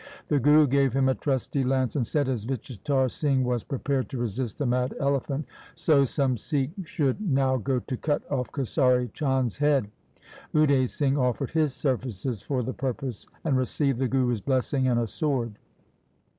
The Guru gave him a trusty lance and said that as Vichitar Singh was prepared to resist the mad elephant, so some Sikh should now go to cut off Kesari Chand's head. Ude Singh offered his services for the purpose, and received the Guru's blessing and a sword.